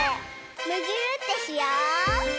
むぎゅーってしよう！